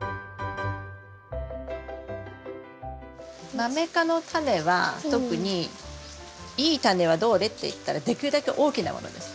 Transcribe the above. マメ科のタネは特にいいタネはどれ？っていったらできるだけ大きなものです。